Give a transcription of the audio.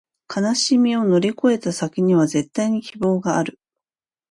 悲しみを乗り越えた先には、絶対に希望がある